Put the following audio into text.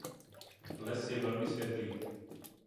Les je velmi světlý.